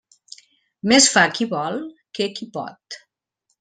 Més fa qui vol que qui pot.